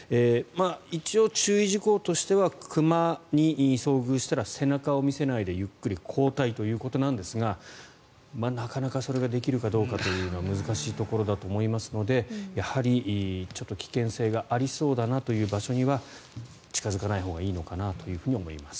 一応、注意事項としては熊に遭遇したら背中を見せないでゆっくり後退ということなんですがなかなかそれができるかどうかというのは難しいところだと思いますのでやはり、危険性がありそうだなという場所には近付かないほうがいいのかなと思います。